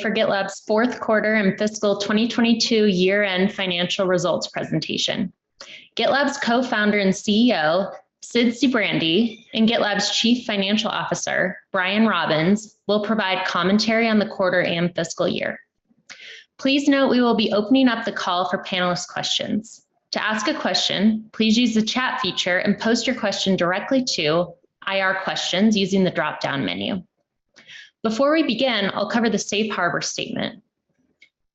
For GitLab's fourth quarter and fiscal 2022 year-end financial results presentation. GitLab's Co-founder and CEO, Sid Sijbrandij, and GitLab's Chief Financial Officer, Brian Robins, will provide commentary on the quarter and fiscal year. Please note we will be opening up the call for panelist questions. To ask a question, please use the chat feature and post your question directly to IR questions using the dropdown menu. Before we begin, I'll cover the safe harbor statement.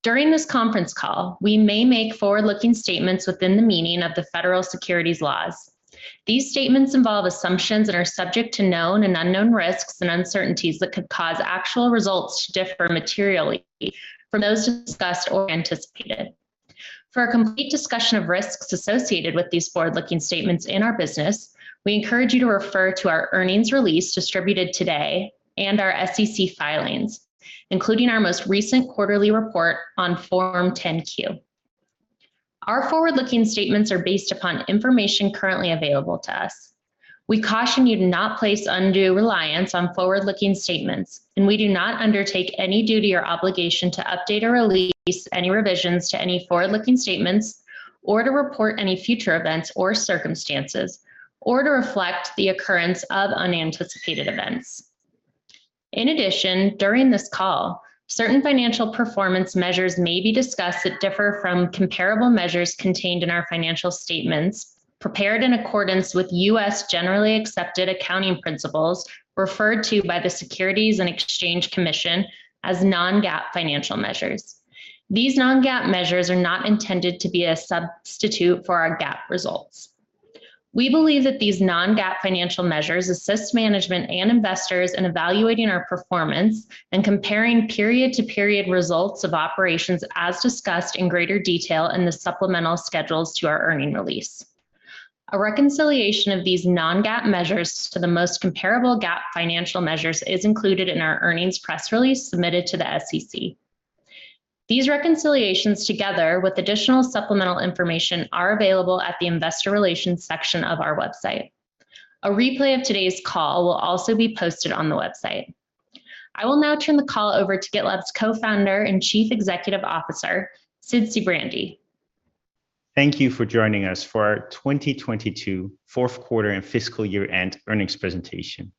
During this conference call, we may make forward-looking statements within the meaning of the federal securities laws. These statements involve assumptions that are subject to known and unknown risks and uncertainties that could cause actual results to differ materially from those discussed or anticipated. For a complete discussion of risks associated with these forward-looking statements in our business, we encourage you to refer to our earnings release distributed today and our SEC filings, including our most recent quarterly report on Form 10-Q. Our forward-looking statements are based upon information currently available to us. We caution you to not place undue reliance on forward-looking statements, and we do not undertake any duty or obligation to update or release any revisions to any forward-looking statements or to report any future events or circumstances or to reflect the occurrence of unanticipated events. In addition, during this call, certain financial performance measures may be discussed that differ from comparable measures contained in our financial statements prepared in accordance with U.S. generally accepted accounting principles referred to by the Securities and Exchange Commission as non-GAAP financial measures. These non-GAAP measures are not intended to be a substitute for our GAAP results. We believe that these non-GAAP financial measures assist management and investors in evaluating our performance and comparing period-to-period results of operations as discussed in greater detail in the supplemental schedules to our earnings release. A reconciliation of these non-GAAP measures to the most comparable GAAP financial measures is included in our earnings press release submitted to the SEC. These reconciliations, together with additional supplemental information, are available at the Investor Relations section of our website. A replay of today's call will also be posted on the website. I will now turn the call over to GitLab's Co-founder and Chief Executive Officer, Sid Sijbrandij. Thank you for joining us for our 2022 fourth quarter and fiscal year-end earnings presentation.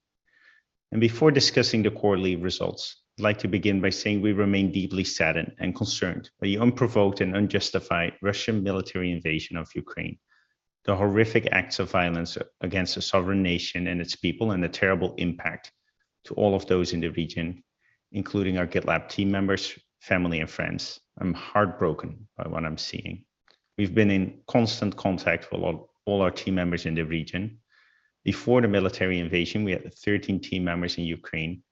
Before discussing the quarterly results, I'd like to begin by saying we remain deeply saddened and concerned by the unprovoked and unjustified Russian military invasion of Ukraine, the horrific acts of violence against a sovereign nation and its people, and the terrible impact to all of those in the region, including our GitLab team members, family, and friends. I'm heartbroken by what I'm seeing. We've been in constant contact with all our team members in the region. Before the military invasion, we had 13 team members in Ukraine,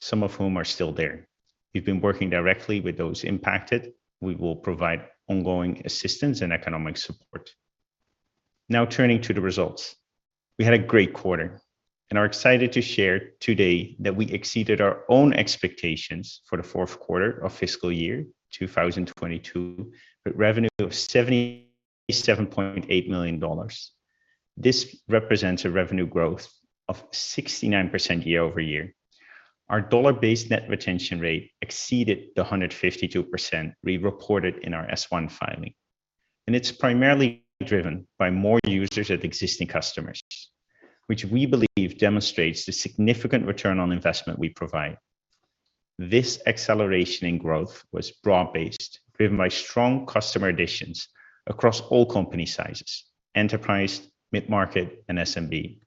some of whom are still there. We've been working directly with those impacted. We will provide ongoing assistance and economic support. Now turning to the results. We had a great quarter and are excited to share today that we exceeded our own expectations for the fourth quarter of fiscal year 2022, with revenue of $77.8 million. This represents a revenue growth of 69% year-over-year. Our dollar-based net retention rate exceeded the 152% we reported in our S-1 filing. It's primarily driven by more users of existing customers, which we believe demonstrates the significant return on investment we provide. This acceleration in growth was broad-based, driven by strong customer additions across all company sizes, enterprise, mid-market, and SMB.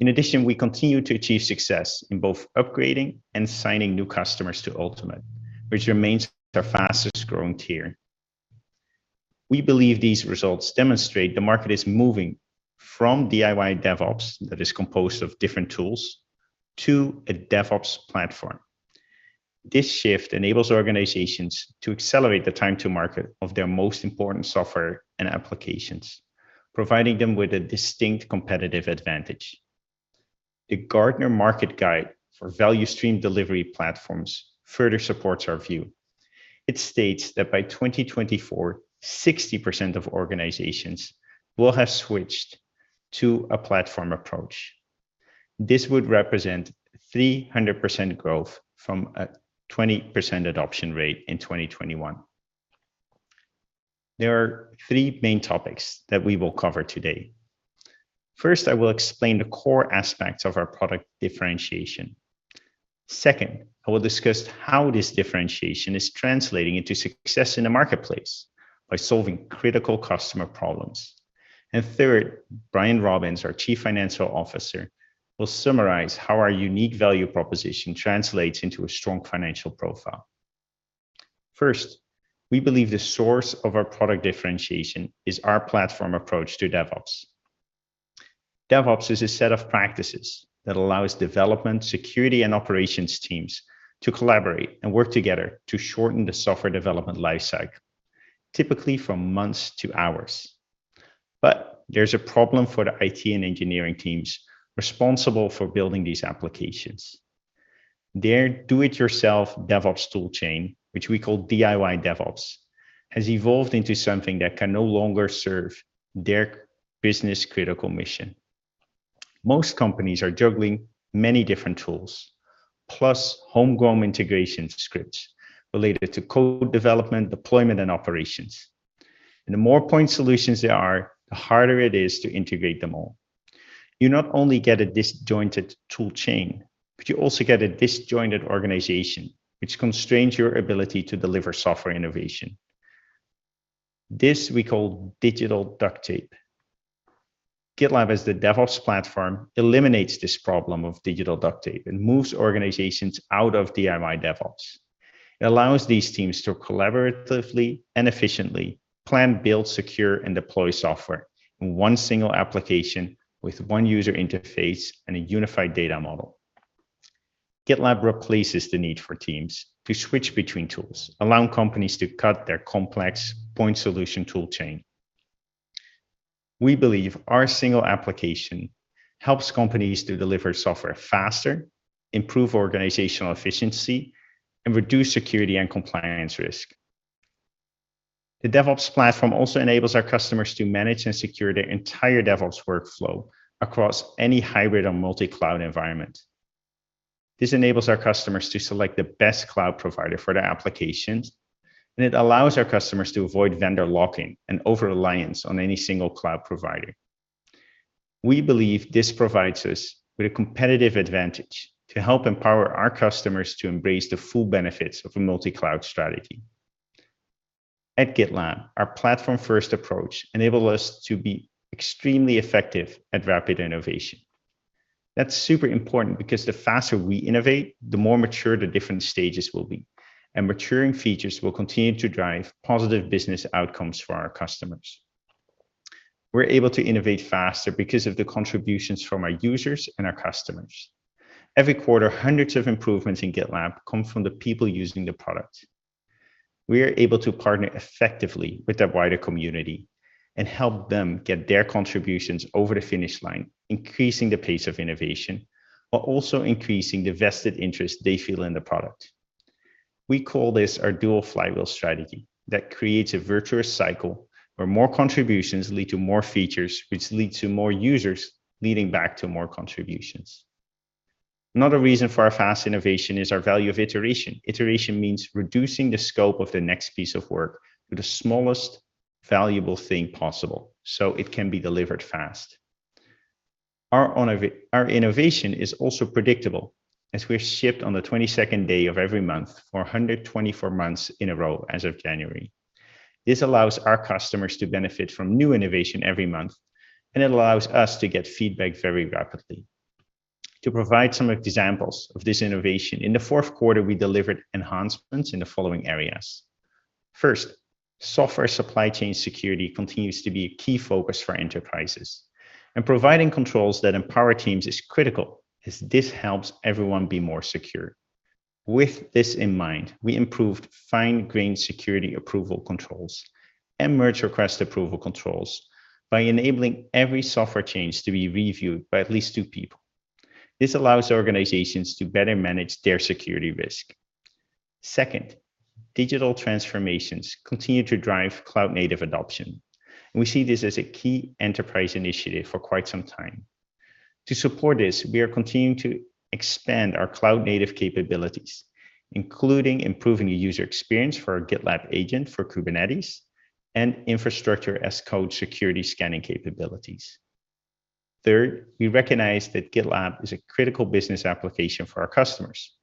In addition, we continue to achieve success in both upgrading and signing new customers to Ultimate, which remains our fastest-growing tier. We believe these results demonstrate the market is moving from DIY DevOps that is composed of different tools to a DevOps platform. This shift enables organizations to accelerate the time to market of their most important software and applications, providing them with a distinct competitive advantage. The Gartner market guide for value stream delivery platforms further supports our view. It states that by 2024, 60% of organizations will have switched to a platform approach. This would represent 300% growth from a 20% adoption rate in 2021. There are three main topics that we will cover today. First, I will explain the core aspects of our product differentiation. Second, I will discuss how this differentiation is translating into success in the marketplace by solving critical customer problems. Third, Brian Robins, our Chief Financial Officer, will summarize how our unique value proposition translates into a strong financial profile. First, we believe the source of our product differentiation is our platform approach to DevOps. DevOps is a set of practices that allows development, security, and operations teams to collaborate and work together to shorten the software development life cycle, typically from months to hours. There's a problem for the IT and engineering teams responsible for building these applications. Their do it yourself DevOps tool chain, which we call DIY DevOps, has evolved into something that can no longer serve their business-critical mission. Most companies are juggling many different tools plus homegrown integration scripts related to code development, deployment, and operations, and the more point solutions there are, the harder it is to integrate them all. You not only get a disjointed tool chain, but you also get a disjointed organization, which constrains your ability to deliver software innovation. This we call digital duct tape. GitLab as the DevOps platform eliminates this problem of digital duct tape and moves organizations out of DIY DevOps. It allows these teams to collaboratively and efficiently plan, build, secure, and deploy software in one single application with one user interface and a unified data model. GitLab replaces the need for teams to switch between tools, allowing companies to cut their complex point solution tool chain. We believe our single application helps companies to deliver software faster, improve organizational efficiency, and reduce security and compliance risk. The DevOps platform also enables our customers to manage and secure their entire DevOps workflow across any hybrid or multi-cloud environment. This enables our customers to select the best cloud provider for their applications, and it allows our customers to avoid vendor locking and over-reliance on any single cloud provider. We believe this provides us with a competitive advantage to help empower our customers to embrace the full benefits of a multi-cloud strategy. At GitLab, our platform-first approach enable us to be extremely effective at rapid innovation. That's super important because the faster we innovate, the more mature the different stages will be, and maturing features will continue to drive positive business outcomes for our customers. We're able to innovate faster because of the contributions from our users and our customers. Every quarter, hundreds of improvements in GitLab come from the people using the product. We are able to partner effectively with the wider community and help them get their contributions over the finish line, increasing the pace of innovation while also increasing the vested interest they feel in the product. We call this our dual flywheel strategy that creates a virtuous cycle where more contributions lead to more features, which lead to more users, leading back to more contributions. Another reason for our fast innovation is our value of iteration. Iteration means reducing the scope of the next piece of work to the smallest valuable thing possible, so it can be delivered fast. Our own innovation is also predictable as we have shipped on the 22nd day of every month for 124 months in a row as of January. This allows our customers to benefit from new innovation every month, and it allows us to get feedback very rapidly. To provide some examples of this innovation, in the fourth quarter, we delivered enhancements in the following areas. First, software supply chain security continues to be a key focus for enterprises, and providing controls that empower teams is critical, as this helps everyone be more secure. With this in mind, we improved fine-grained security approval controls and merge request approval controls by enabling every software change to be reviewed by at least two people. This allows organizations to better manage their security risk. Second, digital transformations continue to drive cloud native adoption, and we see this as a key enterprise initiative for quite some time. To support this, we are continuing to expand our cloud native capabilities, including improving the user experience for our GitLab agent for Kubernetes and infrastructure as code security scanning capabilities. Third, we recognize that GitLab is a critical business application for our customers,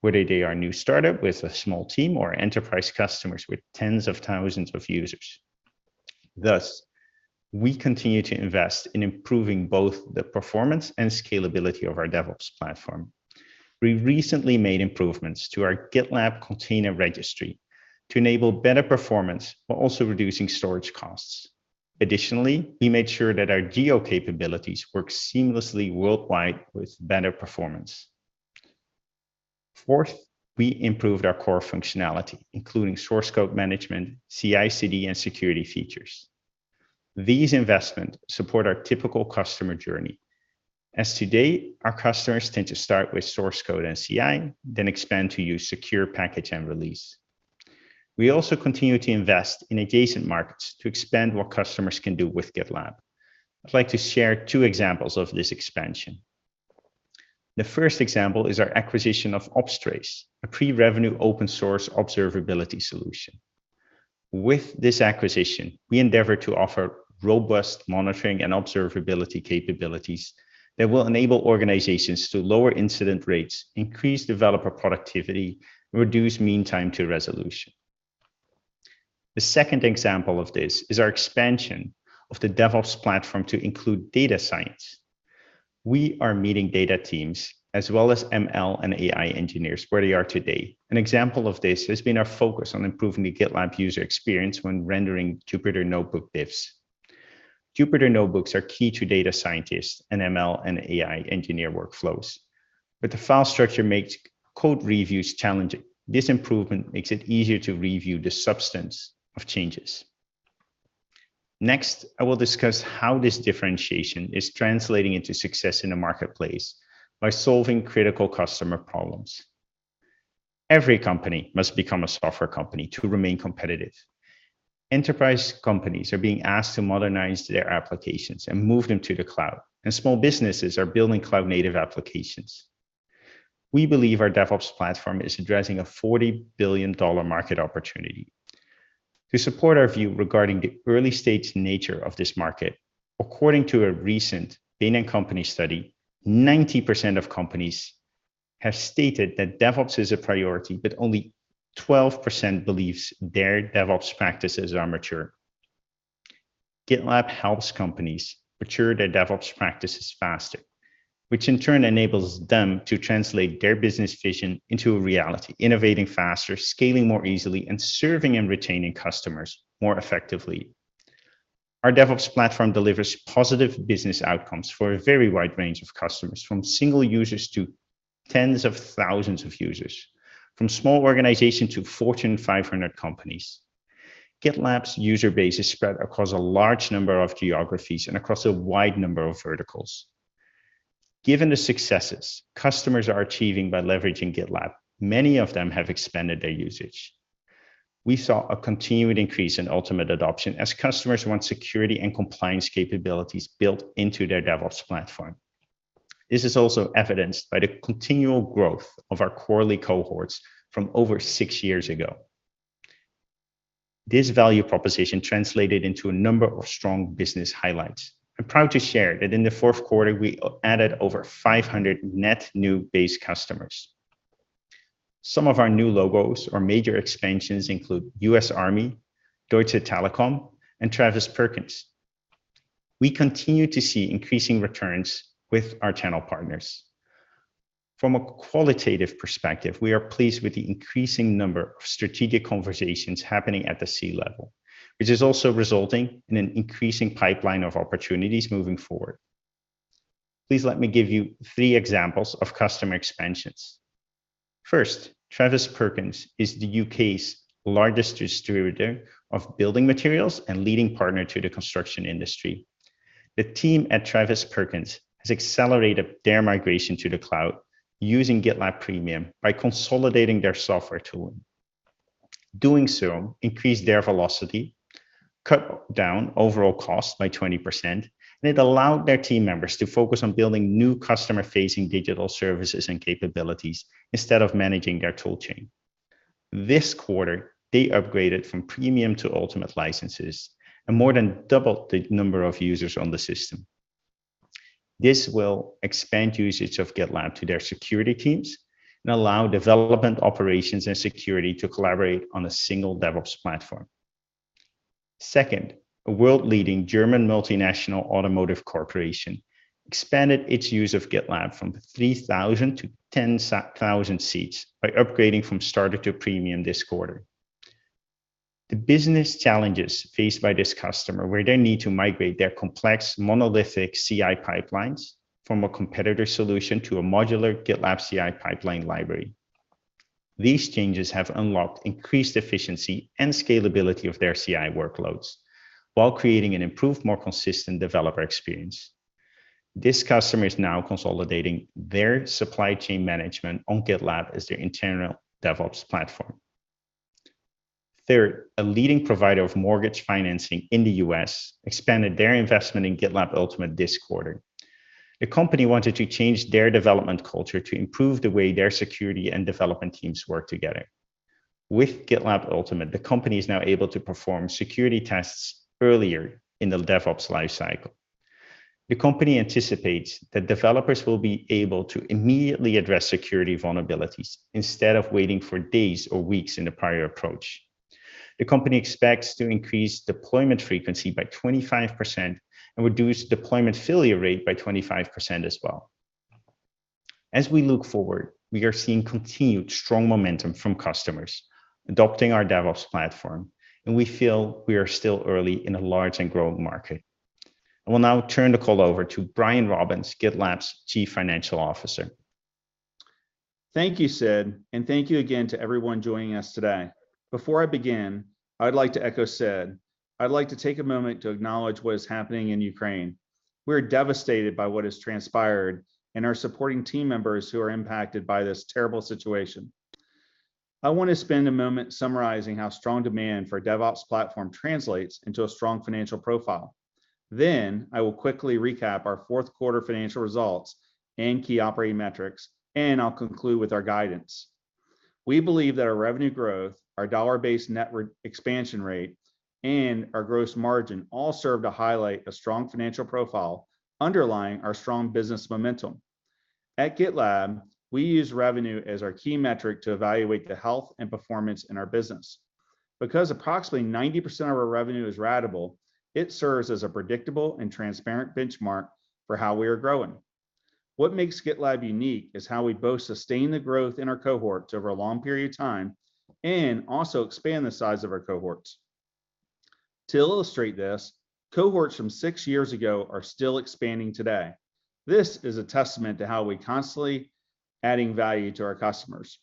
whether they are a new startup with a small team or enterprise customers with tens of thousands of users. Thus, we continue to invest in improving both the performance and scalability of our DevOps platform. We recently made improvements to our GitLab Container Registry to enable better performance while also reducing storage costs. Additionally, we made sure that our Geo capabilities work seamlessly worldwide with better performance. Fourth, we improved our core functionality, including source code management, CI/CD, and security features. These investments support our typical customer journey as of today our customers tend to start with source code and CI, then expand to use secure package and release. We also continue to invest in adjacent markets to expand what customers can do with GitLab. I'd like to share two examples of this expansion. The first example is our acquisition of Opstrace, a pre-revenue open source observability solution. With this acquisition, we endeavor to offer robust monitoring and observability capabilities that will enable organizations to lower incident rates, increase developer productivity, and reduce mean time to resolution. The second example of this is our expansion of the DevOps platform to include data science. We are meeting data teams as well as ML and AI engineers where they are today. An example of this has been our focus on improving the GitLab user experience when rendering Jupyter Notebook diffs. Jupyter Notebooks are key to data scientists and ML and AI engineer workflows, but the file structure makes code reviews challenging. This improvement makes it easier to review the substance of changes. Next, I will discuss how this differentiation is translating into success in the marketplace by solving critical customer problems. Every company must become a software company to remain competitive. Enterprise companies are being asked to modernize their applications and move them to the cloud, and small businesses are building cloud-native applications. We believe our DevOps platform is addressing a $40 billion market opportunity. To support our view regarding the early-stage nature of this market, according to a recent Bain & Company study, 90% of companies have stated that DevOps is a priority, but only 12% believes their DevOps practices are mature. GitLab helps companies mature their DevOps practices faster, which in turn enables them to translate their business vision into a reality, innovating faster, scaling more easily, and serving and retaining customers more effectively. Our DevOps platform delivers positive business outcomes for a very wide range of customers, from single users to tens of thousands of users, from small organizations to Fortune 500 companies. GitLab's user base is spread across a large number of geographies and across a wide number of verticals. Given the successes customers are achieving by leveraging GitLab, many of them have expanded their usage. We saw a continued increase in Ultimate adoption as customers want security and compliance capabilities built into their DevOps platform. This is also evidenced by the continual growth of our quarterly cohorts from over six years ago. This value proposition translated into a number of strong business highlights. I'm proud to share that in the fourth quarter, we added over 500 net new base customers. Some of our new logos or major expansions include U.S. Army, Deutsche Telekom, and Travis Perkins. We continue to see increasing returns with our channel partners. From a qualitative perspective, we are pleased with the increasing number of strategic conversations happening at the C-level, which is also resulting in an increasing pipeline of opportunities moving forward. Please let me give you three examples of customer expansions. First, Travis Perkins is the U.K.'s largest distributor of building materials and leading partner to the construction industry. The team at Travis Perkins has accelerated their migration to the cloud using GitLab Premium by consolidating their software tool. Doing so increased their velocity, cut down overall costs by 20%, and it allowed their team members to focus on building new customer-facing digital services and capabilities instead of managing their tool chain. This quarter, they upgraded from Premium to Ultimate licenses and more than doubled the number of users on the system. This will expand usage of GitLab to their security teams and allow development operations and security to collaborate on a single DevOps platform. Second, a world-leading German multinational automotive corporation expanded its use of GitLab from 3,000 to 10,000 seats by upgrading from Starter to Premium this quarter. The business challenges faced by this customer were their need to migrate their complex monolithic CI pipelines from a competitor solution to a modular GitLab CI pipeline library. These changes have unlocked increased efficiency and scalability of their CI workloads while creating an improved, more consistent developer experience. This customer is now consolidating their supply chain management on GitLab as their internal DevOps platform. Third, a leading provider of mortgage financing in the U.S. expanded their investment in GitLab Ultimate this quarter. The company wanted to change their development culture to improve the way their security and development teams work together. With GitLab Ultimate, the company is now able to perform security tests earlier in the DevOps lifecycle. The company anticipates that developers will be able to immediately address security vulnerabilities instead of waiting for days or weeks in the prior approach. The company expects to increase deployment frequency by 25% and reduce deployment failure rate by 25% as well. As we look forward, we are seeing continued strong momentum from customers adopting our DevOps platform, and we feel we are still early in a large and growing market. I will now turn the call over to Brian Robins, GitLab's Chief Financial Officer. Thank you, Sid, and thank you again to everyone joining us today. Before I begin, I would like to echo Sid. I'd like to take a moment to acknowledge what is happening in Ukraine. We're devastated by what has transpired and are supporting team members who are impacted by this terrible situation. I want to spend a moment summarizing how strong demand for DevOps platform translates into a strong financial profile. Then I will quickly recap our fourth quarter financial results and key operating metrics, and I'll conclude with our guidance. We believe that our revenue growth, our dollar-based net retention rate, and our gross margin all serve to highlight a strong financial profile underlying our strong business momentum. At GitLab, we use revenue as our key metric to evaluate the health and performance in our business. Because approximately 90% of our revenue is ratable, it serves as a predictable and transparent benchmark for how we are growing. What makes GitLab unique is how we both sustain the growth in our cohorts over a long period of time and also expand the size of our cohorts. To illustrate this, cohorts from six years ago are still expanding today. This is a testament to how we are constantly adding value to our customers.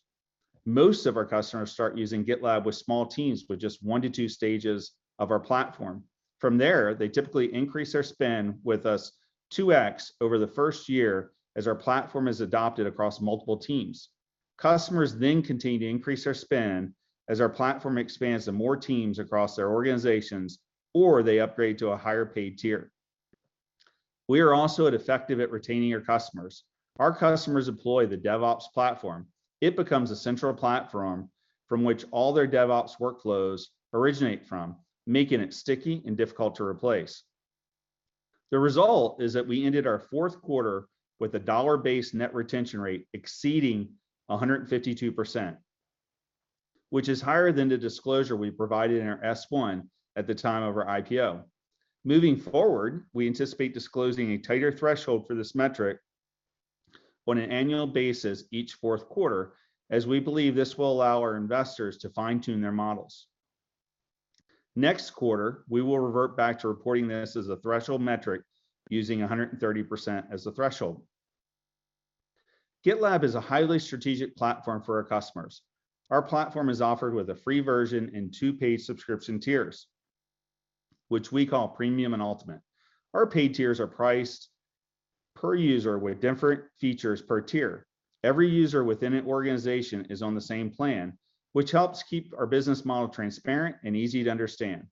Most of our customers start using GitLab with small teams with just one to two stages of our platform. From there, they typically increase their spend with us 2x over the first year as our platform is adopted across multiple teams. Customers then continue to increase their spend as our platform expands to more teams across their organizations, or they upgrade to a higher paid tier. We are also very effective at retaining our customers. Our customers employ the DevOps platform. It becomes a central platform from which all their DevOps workflows originate from, making it sticky and difficult to replace. The result is that we ended our fourth quarter with a dollar-based net retention rate exceeding 152%, which is higher than the disclosure we provided in our S-1 at the time of our IPO. Moving forward, we anticipate disclosing a tighter threshold for this metric on an annual basis each fourth quarter, as we believe this will allow our investors to fine-tune their models. Next quarter, we will revert back to reporting this as a threshold metric using 130% as the threshold. GitLab is a highly strategic platform for our customers. Our platform is offered with a free version and two paid subscription tiers, which we call Premium and Ultimate. Our paid tiers are priced per user with different features per tier. Every user within an organization is on the same plan, which helps keep our business model transparent and easy to understand.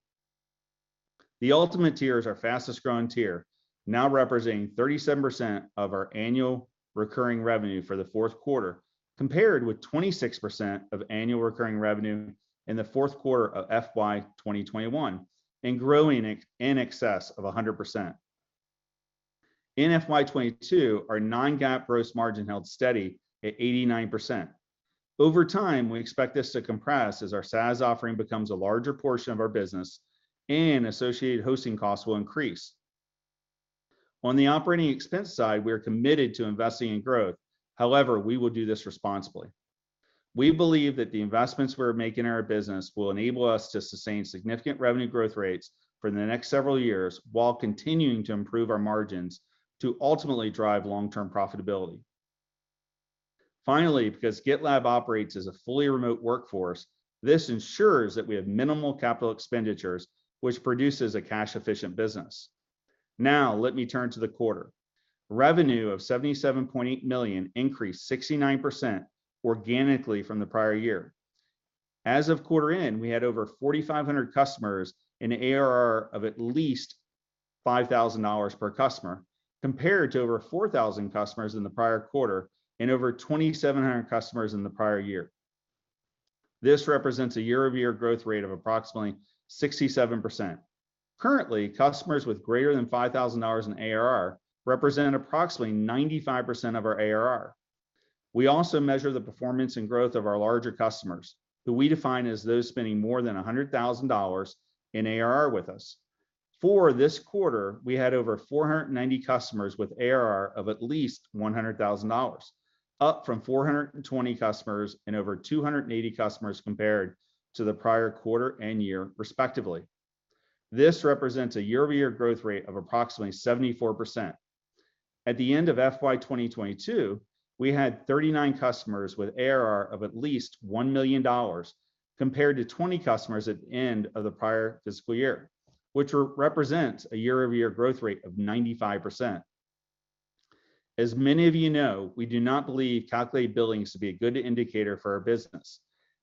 The Ultimate tier is our fastest-growing tier, now representing 37% of our annual recurring revenue for the fourth quarter, compared with 26% of annual recurring revenue in the fourth quarter of FY 2021, and growing in excess of 100%. In FY 2022, our non-GAAP gross margin held steady at 89%. Over time, we expect this to compress as our SaaS offering becomes a larger portion of our business and associated hosting costs will increase. On the operating expense side, we are committed to investing in growth. However, we will do this responsibly. We believe that the investments we're making in our business will enable us to sustain significant revenue growth rates for the next several years while continuing to improve our margins to ultimately drive long-term profitability. Finally, because GitLab operates as a fully remote workforce, this ensures that we have minimal capital expenditures, which produces a cash-efficient business. Now, let me turn to the quarter. Revenue of $77.8 million increased 69% organically from the prior year. As of quarter end, we had over 4,500 customers and ARR of at least $5,000 per customer, compared to over 4,000 customers in the prior quarter and over 2,700 customers in the prior year. This represents a year-over-year growth rate of approximately 67%. Currently, customers with greater than $5,000 in ARR represent approximately 95% of our ARR. We also measure the performance and growth of our larger customers, who we define as those spending more than $100,000 in ARR with us. For this quarter, we had over 490 customers with ARR of at least $100,000, up from 420 customers and over 280 customers compared to the prior quarter and year respectively. This represents a year-over-year growth rate of approximately 74%. At the end of FY 2022, we had 39 customers with ARR of at least $1 million compared to 20 customers at the end of the prior fiscal year, which represents a year-over-year growth rate of 95%. As many of you know, we do not believe calculated billings to be a good indicator for our business,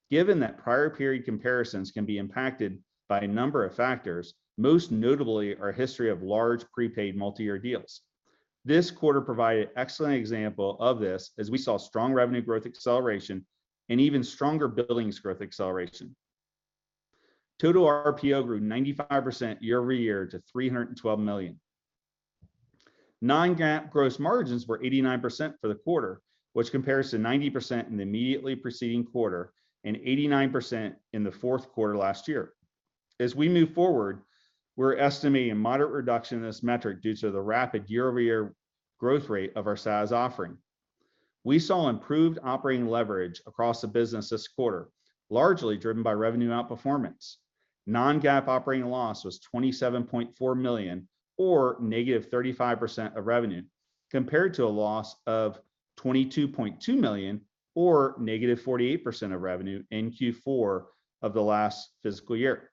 given that prior period comparisons can be impacted by a number of factors, most notably our history of large prepaid multi-year deals. This quarter provided an excellent example of this as we saw strong revenue growth acceleration and even stronger billings growth acceleration. Total RPO grew 95% year-over-year to $312 million. Non-GAAP gross margins were 89% for the quarter, which compares to 90% in the immediately preceding quarter and 89% in the fourth quarter last year. As we move forward, we're estimating a moderate reduction in this metric due to the rapid year-over-year growth rate of our SaaS offering. We saw improved operating leverage across the business this quarter, largely driven by revenue outperformance. Non-GAAP operating loss was $27.4 million or -35% of revenue, compared to a loss of $22.2 million or -48% of revenue in Q4 of the last fiscal year.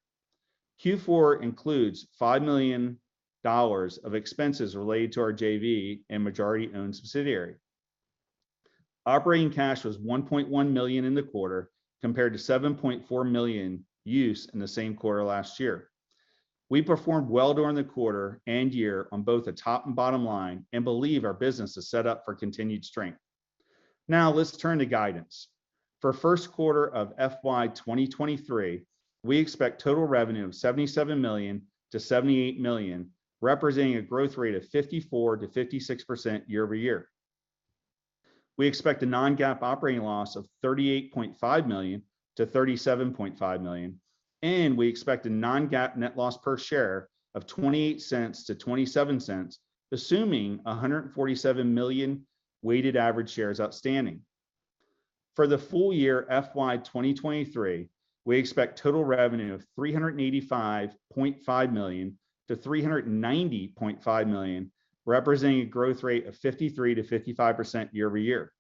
Q4 includes $5 million of expenses related to our JV and majority-owned subsidiary. Operating cash was $1.1 million in the quarter, compared to $7.4 million used in the same quarter last year. We performed well during the quarter and year on both the top and bottom line and believe our business is set up for continued strength. Now let's turn to guidance. For first quarter of FY 2023, we expect total revenue of $77 million-$78 million, representing a growth rate of 54%-56% year-over-year. We expect a non-GAAP operating loss of $38.5 million-$37.5 million, and we expect a non-GAAP net loss per share of $0.28-$0.27, assuming 147 million weighted average shares outstanding. For the full-year FY 2023, we expect total revenue of $385.5 million-$390.5 million, representing a growth rate of 53%-55% year-over-year.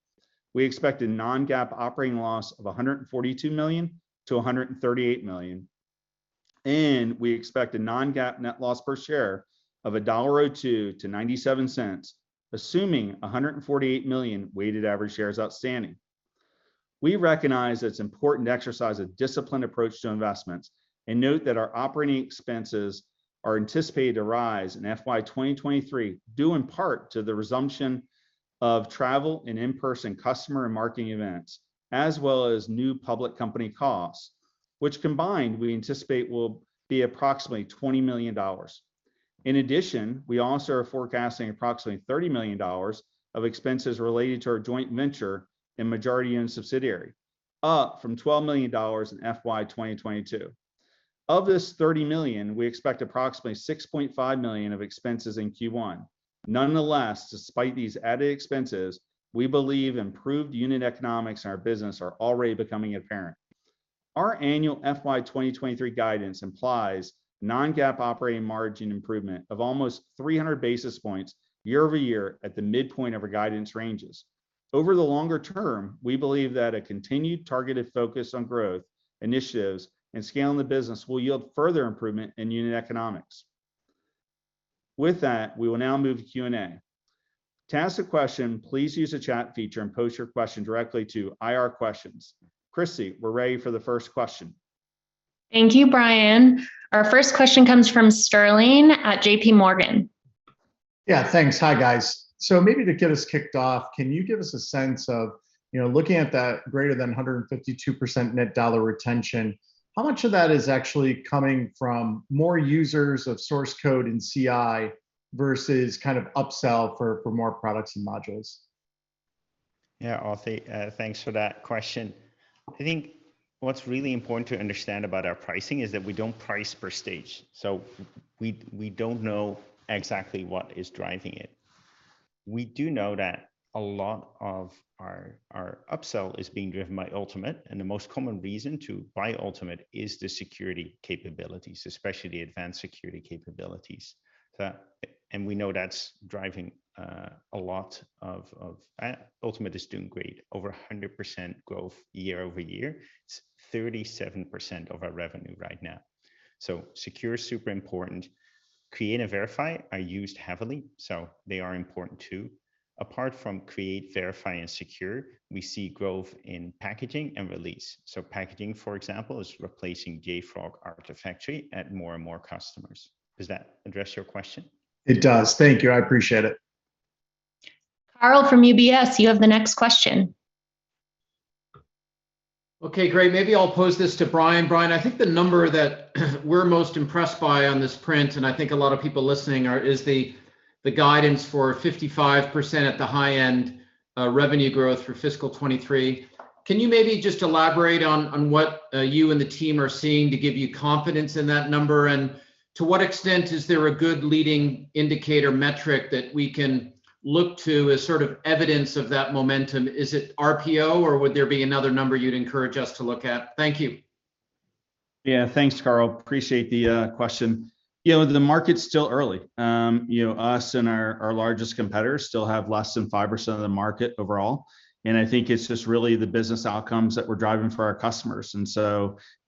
We expect a non-GAAP operating loss of $142 million-$138 million. We expect a non-GAAP net loss per share of $1.02-$0.97, assuming 148 million weighted average shares outstanding. We recognize it's important to exercise a disciplined approach to investments and note that our operating expenses are anticipated to rise in FY 2023, due in part to the resumption of travel and in-person customer and marketing events, as well as new public company costs, which combined, we anticipate will be approximately $20 million. In addition, we also are forecasting approximately $30 million of expenses related to our joint venture and majority-owned subsidiary, up from $12 million in FY 2022. Of this $30 million, we expect approximately $6.5 million of expenses in Q1. Nonetheless, despite these added expenses, we believe improved unit economics in our business are already becoming apparent. Our annual FY 2023 guidance implies non-GAAP operating margin improvement of almost 300 basis points year over year at the midpoint of our guidance ranges. Over the longer term, we believe that a continued targeted focus on growth initiatives and scaling the business will yield further improvement in unit economics. With that, we will now move to Q&A. To ask a question, please use the chat feature and post your question directly to IR questions. Chrissy, we're ready for the first question. Thank you, Brian. Our first question comes from Sterling at JPMorgan. Yeah, thanks. Hi, guys. Maybe to get us kicked off, can you give us a sense of, you know, looking at that greater than 152% net dollar retention, how much of that is actually coming from more users of source code in CI versus kind of upsell for more products and modules? Yeah, Auty, thanks for that question. I think what's really important to understand about our pricing is that we don't price per stage, so we don't know exactly what is driving it. We do know that a lot of our upsell is being driven by Ultimate, and the most common reason to buy Ultimate is the security capabilities, especially advanced security capabilities. We know that's driving a lot of Ultimate. Ultimate is doing great. Over 100% growth year-over-year. It's 37% of our revenue right now. Secure is super important. Create and Verify are used heavily, so they are important too. Apart from Create, Verify, and Secure, we see growth in Packaging and Release. Packaging, for example, is replacing JFrog Artifactory at more and more customers. Does that address your question? It does. Thank you, I appreciate it. Karl from UBS, you have the next question. Okay, great. Maybe I'll pose this to Brian. Brian, I think the number that we're most impressed by on this print, and I think a lot of people listening are, is the guidance for 55% at the high end, revenue growth for fiscal 2023. Can you maybe just elaborate on what you and the team are seeing to give you confidence in that number? And to what extent is there a good leading indicator metric that we can look to as sort of evidence of that momentum? Is it RPO, or would there be another number you'd encourage us to look at? Thank you. Yeah, thanks, Karl. Appreciate the question. You know, the market's still early. You know, us and our largest competitors still have less than 5% of the market overall, and I think it's just really the business outcomes that we're driving for our customers.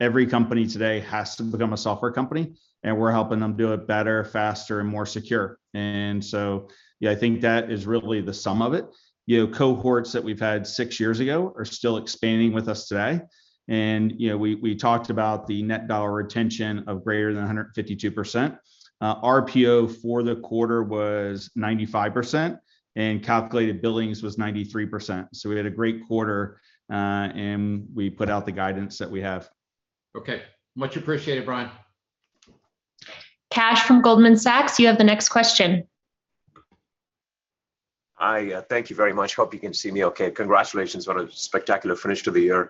Every company today has to become a software company, and we're helping them do it better, faster, and more secure. Yeah, I think that is really the sum of it. You know, cohorts that we've had six years ago are still expanding with us today. You know, we talked about the net dollar retention of greater than 152%. RPO for the quarter was 95%, and calculated billings was 93%. We had a great quarter, and we put out the guidance that we have. Okay. Much appreciated, Brian. Kash from Goldman Sachs, you have the next question. Hi. Thank you very much. Hope you can see me okay. Congratulations on a spectacular finish to the year.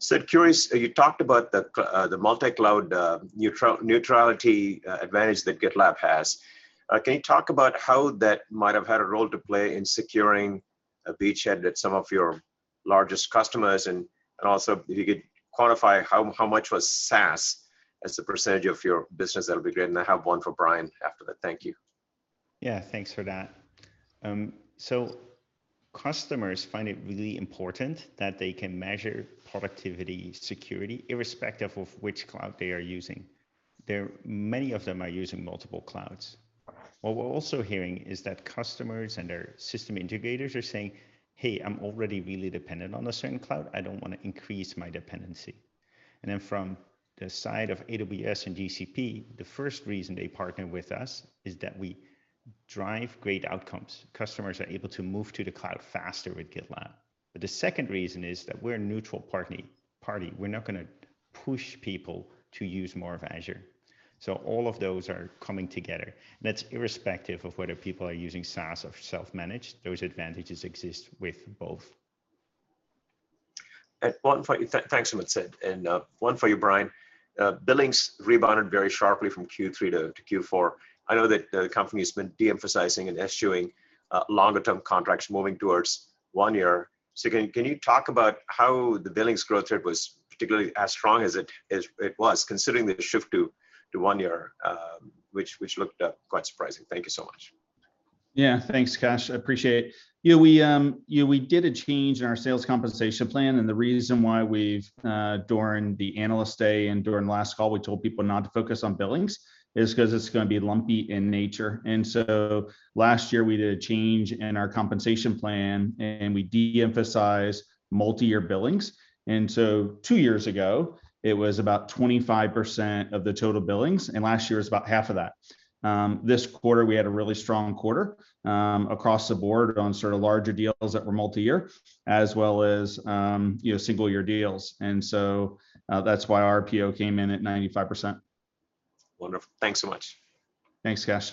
Sid, curious, you talked about the multi-cloud neutrality advantage that GitLab has. Can you talk about how that might have had a role to play in securing a beachhead at some of your largest customers? Also, if you could quantify how much was SaaS as a percentage of your business, that'll be great. I have one for Brian after that. Thank you. Yeah, thanks for that. Customers find it really important that they can measure productivity, security, irrespective of which cloud they are using. Many of them are using multiple clouds. What we're also hearing is that customers and their system integrators are saying, "Hey, I'm already really dependent on a certain cloud. I don't wanna increase my dependency." From the side of AWS and GCP, the first reason they partner with us is that we drive great outcomes. Customers are able to move to the cloud faster with GitLab. The second reason is that we're a neutral party. We're not gonna push people to use more of Azure. All of those are coming together, and that's irrespective of whether people are using SaaS or self-managed. Those advantages exist with both. One for you. Thanks so much, Sid. One for you, Brian. Billings rebounded very sharply from Q3 to Q4. I know that the company's been de-emphasizing and eschewing longer term contracts moving towards one year. Can you talk about how the billings growth rate was particularly as strong as it was, considering the shift to one year, which looked quite surprising? Thank you so much. Yeah. Thanks, Kash. I appreciate. You know, we, you know, we did a change in our sales compensation plan, and the reason why we've during the analyst day and during last call, we told people not to focus on billings is 'cause it's gonna be lumpy in nature. Last year we did a change in our compensation plan, and we de-emphasized multi-year billings. Two years ago it was about 25% of the total billings, and last year it was about half of that. This quarter we had a really strong quarter, across the board on sort of larger deals that were multi-year as well as, you know, single year deals. That's why our RPO came in at 95%. Wonderful. Thanks so much. Thanks, Kash.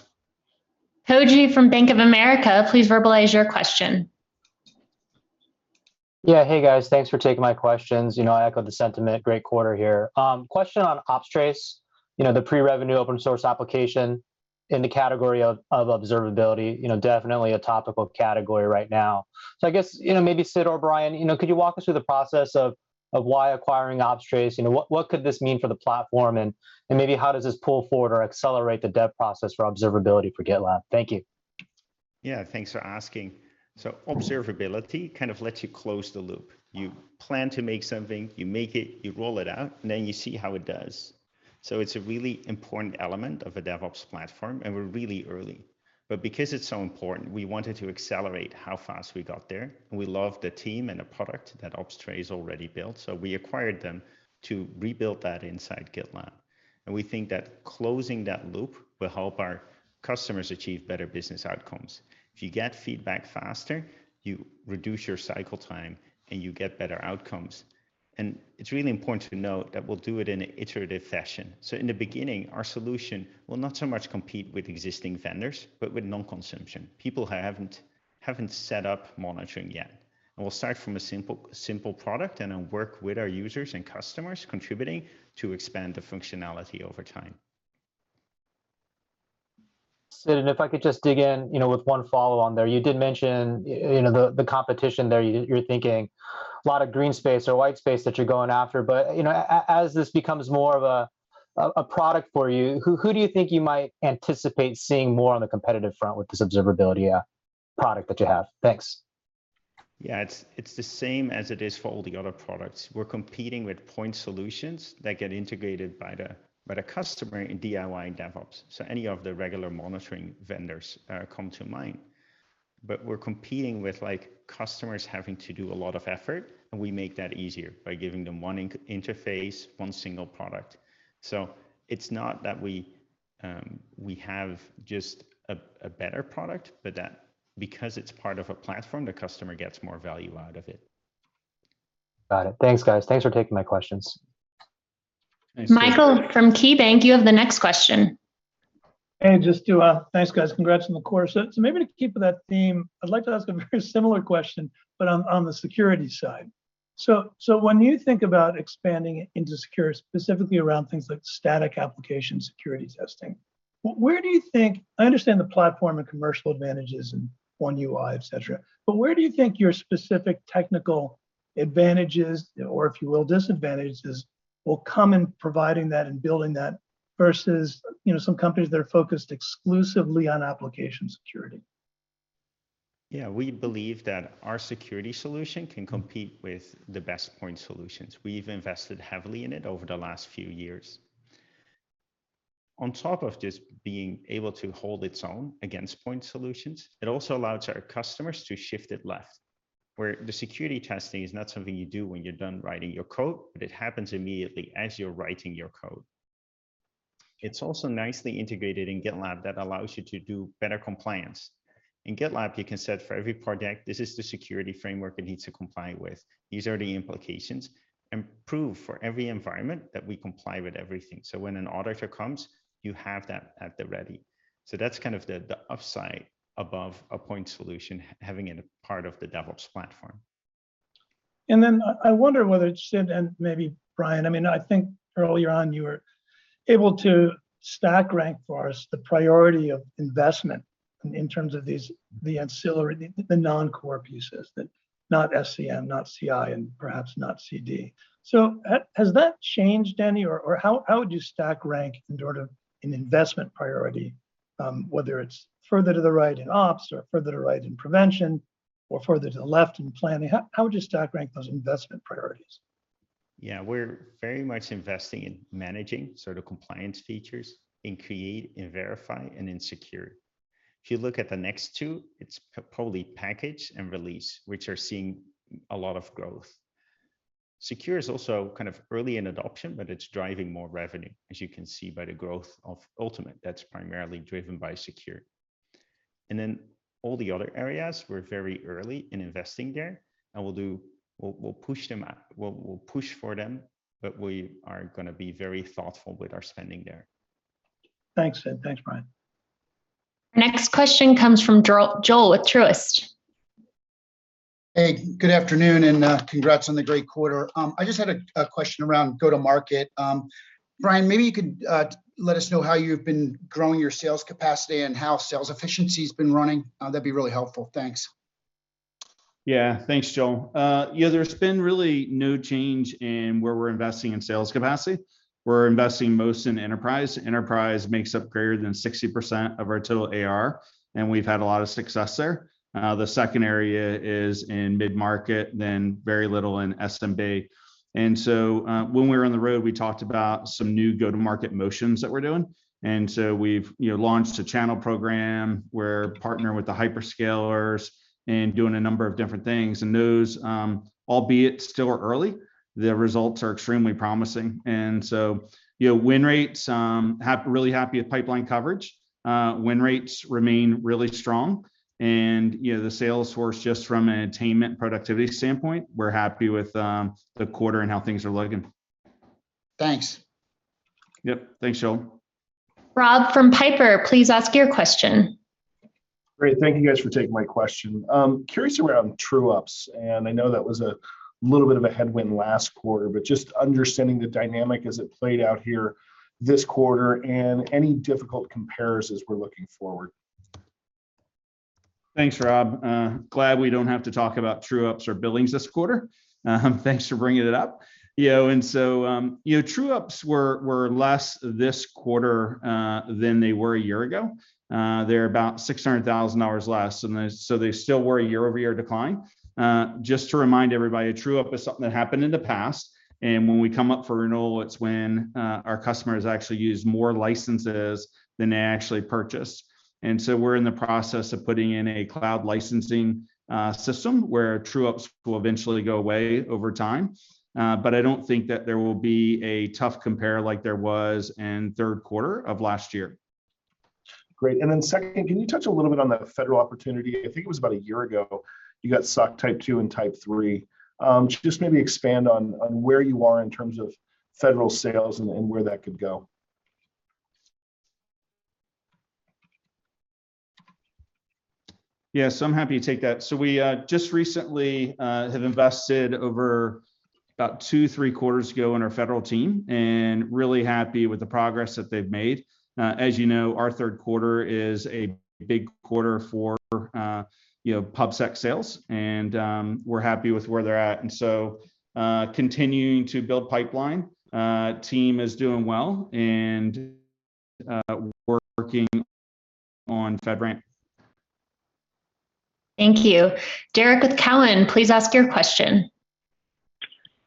Koji from Bank of America, please verbalize your question. Yeah. Hey, guys. Thanks for taking my questions. You know, I echo the sentiment, great quarter here. Question on Opstrace, you know, the pre-revenue open source application in the category of observability, you know, definitely a topical category right now. I guess, you know, maybe Sid or Brian, you know, could you walk us through the process of why acquiring Opstrace? You know, what could this mean for the platform, and maybe how does this pull forward or accelerate the dev process for observability for GitLab? Thank you. Yeah. Thanks for asking. Observability kind of lets you close the loop. You plan to make something, you make it, you roll it out, and then you see how it does. It's a really important element of a DevOps platform, and we're really early. Because it's so important, we wanted to accelerate how fast we got there. We love the team and the product that Opstrace already built, so we acquired them to rebuild that inside GitLab. We think that closing that loop will help our customers achieve better business outcomes. If you get feedback faster, you reduce your cycle time and you get better outcomes. It's really important to note that we'll do it in an iterative fashion. In the beginning, our solution will not so much compete with existing vendors, but with non-consumption, people who haven't set up monitoring yet. We'll start from a simple product and then work with our users and customers contributing to expand the functionality over time. Sid, if I could just dig in, you know, with one follow on there. You did mention, you know, the competition there, you're thinking a lot of green space or white space that you're going after. You know, as this becomes more of a product for you, who do you think you might anticipate seeing more on the competitive front with this observability product that you have? Thanks. Yeah. It's the same as it is for all the other products. We're competing with point solutions that get integrated by the customer in DIY and DevOps. Any of the regular monitoring vendors come to mind. We're competing with like customers having to do a lot of effort, and we make that easier by giving them one interface, one single product. It's not that we have just a better product, but that because it's part of a platform, the customer gets more value out of it. Got it. Thanks, guys. Thanks for taking my questions. Thanks. Michael from KeyBanc, you have the next question. Thanks, guys. Congrats on the quarter. Maybe to keep with that theme, I'd like to ask a very similar question, but on the security side. When you think about expanding into security, specifically around things like Static Application Security Testing, where do you think I understand the platform and commercial advantages and one UI, et cetera, but where do you think your specific technical advantages, or if you will, disadvantages will come in providing that and building that versus some companies that are focused exclusively on application security? Yeah. We believe that our security solution can compete with the best point solutions. We've invested heavily in it over the last few years. On top of just being able to hold its own against point solutions, it also allows our customers to shift it left, where the security testing is not something you do when you're done writing your code, but it happens immediately as you're writing your code. It's also nicely integrated in GitLab that allows you to do better compliance. In GitLab, you can set for every project, "This is the security framework it needs to comply with. These are the implications," and prove for every environment that we comply with everything. When an auditor comes, you have that at the ready. That's kind of the upside above a point solution having it a part of the DevOps platform. I wonder whether it's Sid and maybe Brian. I mean, I think early on you were able to stack rank for us the priority of investment in terms of these, the ancillary, the non-core pieces that not SCM, not CI, and perhaps not CD. Has that changed any, or how would you stack rank in sort of an investment priority, whether it's further to the right in ops or further to the right in prevention or further to the left in planning? How would you stack rank those investment priorities? Yeah. We're very much investing in managing sort of compliance features in Create, in Verify, and in Secure. If you look at the next two, it's probably Package and Release, which are seeing a lot of growth. Secure is also kind of early in adoption, but it's driving more revenue, as you can see by the growth of Ultimate. That's primarily driven by Secure. All the other areas, we're very early in investing there, and we'll push for them, but we are gonna be very thoughtful with our spending there. Thanks, Sid. Thanks, Brian. Next question comes from Joel with Truist. Hey, good afternoon, and congrats on the great quarter. I just had a question around go-to-market. Brian, maybe you could let us know how you've been growing your sales capacity and how sales efficiency's been running. That'd be really helpful. Thanks. Yeah. Thanks, Joel. Yeah, there's been really no change in where we're investing in sales capacity. We're investing most in enterprise. Enterprise makes up greater than 60% of our total ARR, and we've had a lot of success there. The second area is in mid-market, then very little in SMB. When we were on the road, we talked about some new go-to-market motions that we're doing. We've, you know, launched a channel program. We're partnering with the hyperscalers and doing a number of different things. Those, albeit still are early, the results are extremely promising. You know, win rates, really happy with pipeline coverage. Win rates remain really strong. You know, the sales force, just from an attainment and productivity standpoint, we're happy with the quarter and how things are looking. Thanks. Yep. Thanks, Joel. Rob from Piper, please ask your question. Great. Thank you guys for taking my question. I'm curious around true-ups, and I know that was a little bit of a headwind last quarter, but just understanding the dynamic as it played out here this quarter and any difficult comparisons we're looking forward? Thanks, Rob. Glad we don't have to talk about true-ups or billings this quarter. Thanks for bringing it up. You know, true-ups were less this quarter than they were a year ago. They're about $600,000 less, and so they still were a year-over-year decline. Just to remind everybody, a true-up is something that happened in the past, and when we come up for renewal, it's when our customers actually used more licenses than they actually purchased. We're in the process of putting in a cloud licensing system where true-ups will eventually go away over time. I don't think that there will be a tough compare like there was in third quarter of last year. Great. Second, can you touch a little bit on the federal opportunity? I think it was about a year ago, you got SOC 2 Type 2. Just maybe expand on where you are in terms of federal sales and where that could go. Yeah, I'm happy to take that. We just recently have invested over about two, three quarters ago in our federal team and really happy with the progress that they've made. As you know, our third quarter is a big quarter for you know, pub sec sales, and we're happy with where they're at, continuing to build pipeline. Team is doing well and working on FedRAMP. Thank you. Derrick with Cowen, please ask your question.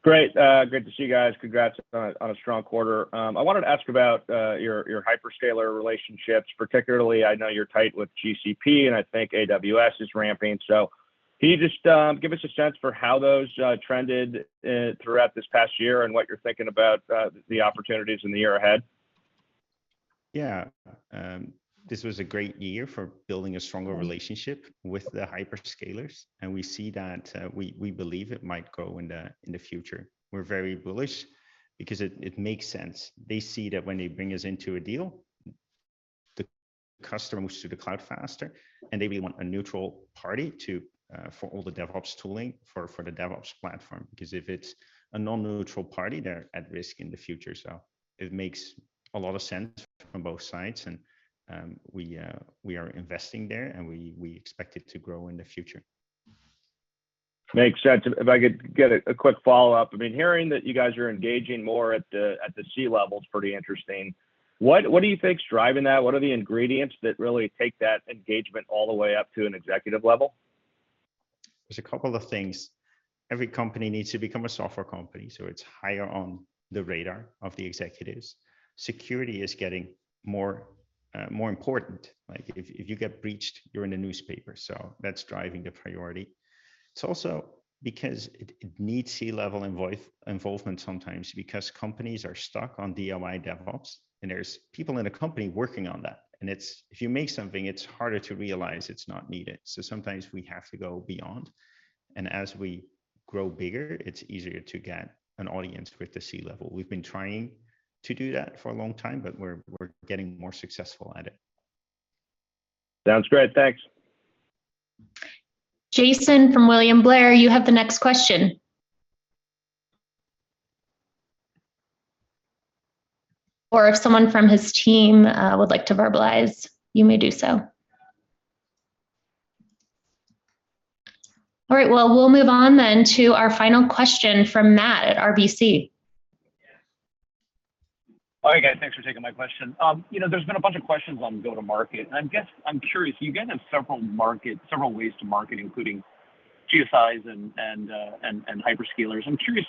Great. Great to see you guys. Congrats on a strong quarter. I wanted to ask about your hyperscaler relationships. Particularly, I know you're tight with GCP, and I think AWS is ramping. Can you just give us a sense for how those trended throughout this past year and what you're thinking about the opportunities in the year ahead? Yeah. This was a great year for building a stronger relationship with the hyperscalers, and we see that we believe it might grow in the future. We're very bullish because it makes sense. They see that when they bring us into a deal, the customer moves to the cloud faster, and they will want a neutral party for all the DevOps tooling for the DevOps platform. Because if it's a non-neutral party, they're at risk in the future. It makes a lot of sense from both sides and we are investing there, and we expect it to grow in the future. Makes sense. If I could get a quick follow-up. I mean, hearing that you guys are engaging more at the C-level is pretty interesting. What do you think is driving that? What are the ingredients that really take that engagement all the way up to an executive level? There's a couple of things. Every company needs to become a software company, so it's higher on the radar of the executives. Security is getting more important. Like if you get breached, you're in the newspaper, so that's driving the priority. It's also because it needs C-level involvement sometimes because companies are stuck on DIY DevOps, and there's people in the company working on that. It's if you make something, it's harder to realize it's not needed. Sometimes we have to go beyond. As we grow bigger, it's easier to get an audience with the C-level. We've been trying to do that for a long time, but we're getting more successful at it. Sounds great. Thanks. Jason from William Blair, you have the next question. Or if someone from his team would like to verbalize, you may do so. All right. Well, we'll move on then to our final question from Matt at RBC. All right, guys. Thanks for taking my question. You know, there's been a bunch of questions on go-to-market, and I guess I'm curious. You guys have several ways to market, including GSIs and hyperscalers. I'm curious,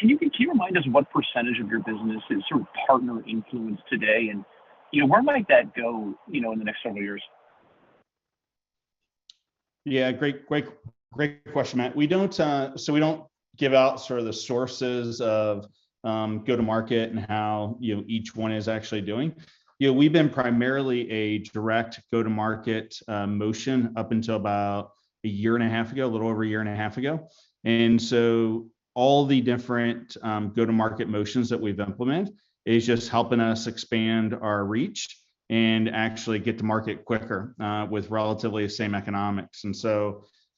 can you remind us what percentage of your business is sort of partner influenced today? And, you know, where might that go, you know, in the next several years? Yeah, great question, Matt. We don't give out sort of the sources of go-to-market and how, you know, each one is actually doing. You know, we've been primarily a direct go-to-market motion up until about a year and a half ago, a little over a year and a half ago. All the different go-to-market motions that we've implement is just helping us expand our reach and actually get to market quicker with relatively the same economics. You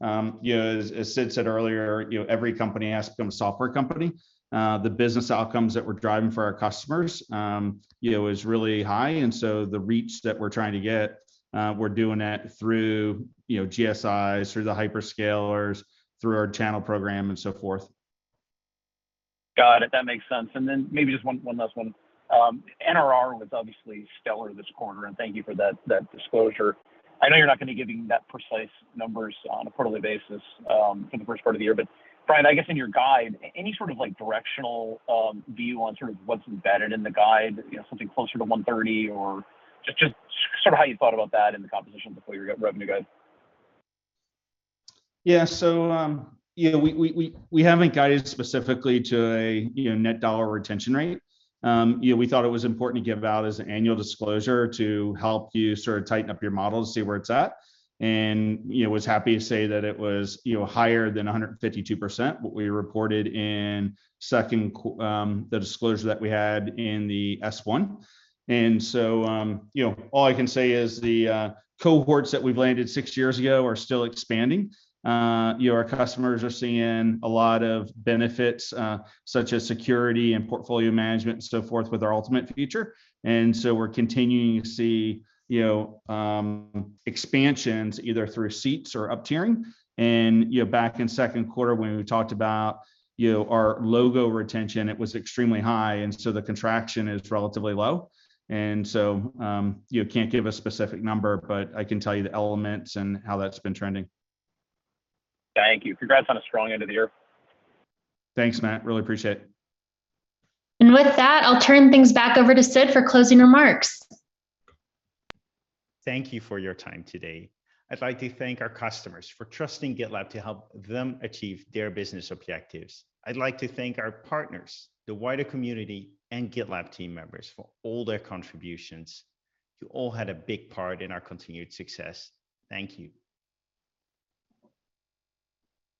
know, as Sid said earlier, you know, every company has become a software company. The business outcomes that we're driving for our customers, you know, is really high. The reach that we're trying to get, we're doing that through, you know, GSIs, through the hyperscalers, through our channel program and so forth. Got it. That makes sense. Maybe just one last one. NRR was obviously stellar this quarter, and thank you for that disclosure. I know you're not gonna be giving those precise numbers on a quarterly basis for the first part of the year. Brian, I guess in your guide, any sort of, like, directional view on sort of what's embedded in the guide, you know, something closer to 130 or just sort of how you thought about that in the composition before your revenue guide? Yeah. You know, we haven't guided specifically to a, you know, net dollar retention rate. You know, we thought it was important to give out as an annual disclosure to help you sort of tighten up your models, see where it's at. You know, we were happy to say that it was, you know, higher than 152%, what we reported in the disclosure that we had in the S-1. You know, all I can say is the cohorts that we've landed six years ago are still expanding. You know, our customers are seeing a lot of benefits, such as security and portfolio management and so forth with our Ultimate feature. We're continuing to see, you know, expansions either through seats or up tiering. You know, back in second quarter when we talked about, you know, our logo retention, it was extremely high, and so the contraction is relatively low. You know, can't give a specific number, but I can tell you the elements and how that's been trending. Thank you. Congrats on a strong end of the year. Thanks, Matt, really appreciate it. With that, I'll turn things back over to Sid for closing remarks. Thank you for your time today. I'd like to thank our customers for trusting GitLab to help them achieve their business objectives. I'd like to thank our partners, the wider community, and GitLab team members for all their contributions. You all had a big part in our continued success. Thank you.